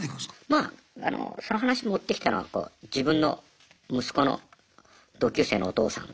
まあその話持ってきたのは自分の息子の同級生のお父さん。